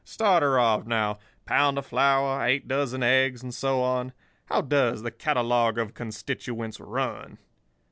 Start her off, now—pound of flour, eight dozen eggs, and so on. How does the catalogue of constituents run?